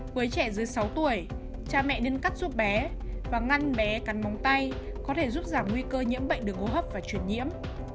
với trẻ dưới sáu tuổi cha mẹ nên cắt giúp bé và ngăn bé cắn móng tay có thể giúp giảm nguy cơ nhiễm bệnh đường hô hấp và chuyển nhiễm